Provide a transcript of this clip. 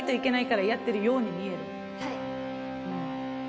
はい。